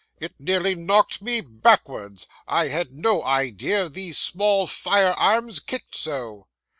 It nearly knocked me backwards. I had no idea these small firearms kicked so.